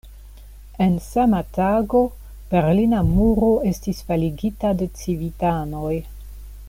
En sama tago, Berlina muro estis faligita de civitanoj.